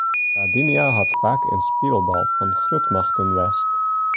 Ladinia hat faak in spylbal fan grutmachten west.